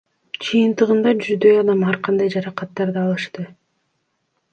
Жыйынтыгында жүздөй адам ар кандай жаракаттарды алышкан.